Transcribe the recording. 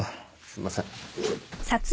すいません。